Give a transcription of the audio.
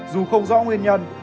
dù không rõ nguyên nhân